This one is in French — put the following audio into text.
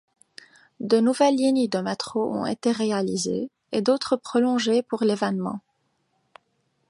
De nouvelles lignes de métro ont été réalisées et d'autres prolongées pour l'événement.